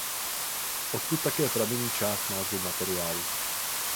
Odkud také pramení část názvu materiálu.